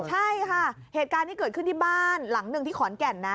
ใช่ค่ะเหตุการณ์ที่เกิดขึ้นที่บ้านหลังหนึ่งที่ขอนแก่นนะ